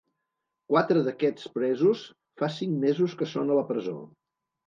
Quatre d’aquests presos fa cinc mesos que són a la presó.